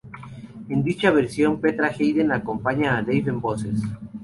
En dicha versión Petra Haden acompaña a Dave en voces.